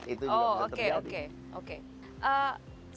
itu juga bisa terjadi